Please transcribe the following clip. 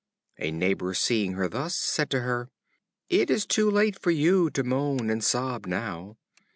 A neighbor seeing her thus, said to her: "It is too late for you to moan and sob now.